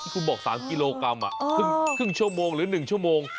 คุณบอก๓กิโลกรัมครึ่งชั่วโมงหรือ๑ชั่วโมง